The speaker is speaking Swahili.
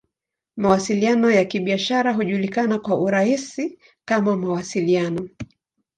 Mawasiliano ya Kibiashara hujulikana kwa urahisi kama "Mawasiliano.